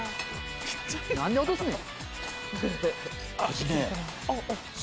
何で落とすねん！